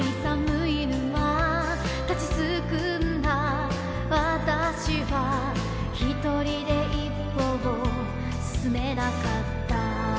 「立ちすくんだわたしは一人で一歩を進めなかった」